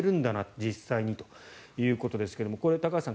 実際にということですがこれ、高橋さん